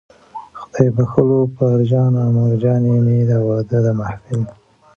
خدای بښلو پلارجان او مورجانې مې، د واده د محفل